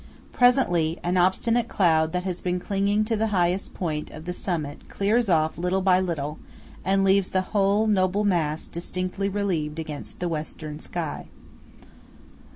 Presently, an obstinate cloud that has been clinging to the highest point of the summit clears off little by little, and leaves the whole noble mass distinctly relieved against the western sky.